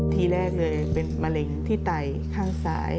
ทีแรกเลยเป็นมะเร็งที่ไตข้างซ้าย